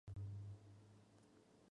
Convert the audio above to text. El álbum fue producido por David Malloy.